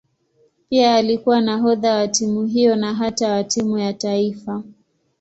Pia alikuwa nahodha wa timu hiyo na hata wa timu ya taifa.